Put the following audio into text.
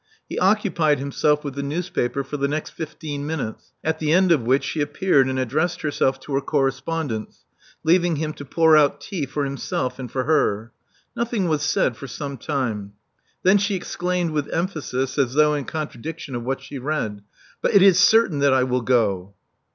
He occupied himself with the newspaper for the next fifteen minutes, at the end of which she appeared and addressed herself to her correspondence, leaving him to pour out tea for himself and for her. Nothing was said for some time. Then she exclaimed with emphasis, as though in contradiction of what she read. But it is certain that I will go."